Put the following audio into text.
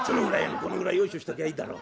このぐらいヨイショしときゃいいだろう。